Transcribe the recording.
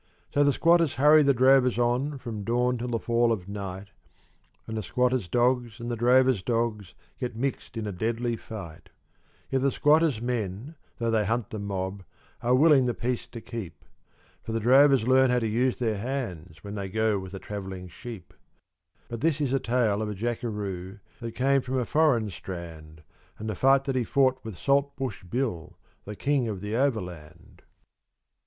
So the squatters hurry the drovers on from dawn till the fall of night, And the squatters' dogs and the drovers' dogs get mixed in a deadly fight; Yet the squatters' men, though they hunt the mob, are willing the peace to keep, For the drovers learn how to use their hands when they go with the travelling sheep; But this is a tale of a Jackeroo that came from a foreign strand, And the fight that he fought with Saltbush Bill, the King of the Overland.